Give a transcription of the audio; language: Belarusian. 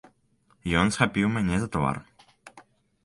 Ён схапіў мяне за твар.